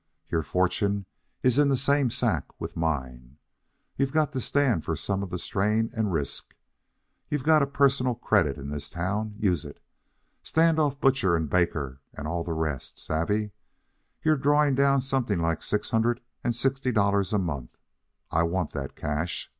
Your fortune is in the same sack with mine. You've got to stand for some of the strain and risk. You've got personal credit in this town. Use it. Stand off butcher and baker and all the rest. Savvee? You're drawing down something like six hundred and sixty dollars a month. I want that cash.